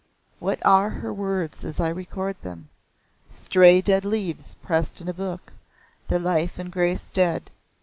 What are her words as I record them? Stray dead leaves pressed in a book the life and grace dead.